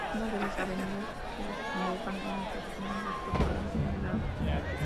Una de las avenidas que desembocan en la estación es la prolongación de Av.